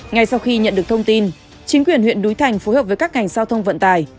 ngay sau khi nhận được thông tin chính quyền huyện đúi thành phối hợp với các ngành giao thông vận tài